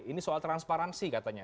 ini soal transparansi katanya